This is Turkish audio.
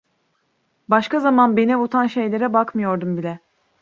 Başka zaman beni avutan şeylere bakmıyordum bile.